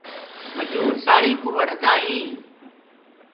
مجوُر سآݪینٚ ڪوُ وڍدآ هينٚ